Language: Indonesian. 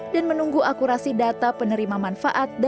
dan menunggu akurasi data penerima manfaat